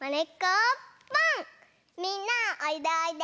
みんなおいでおいで！